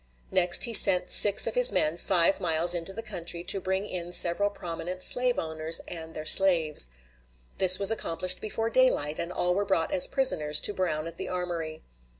Next he sent six of his men five miles into the country to bring in several prominent slaveowners and their slaves. This was accomplished before daylight, and all were brought as prisoners to Brown at the armory.